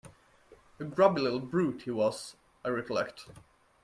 A grubby little brute he was, I recollect.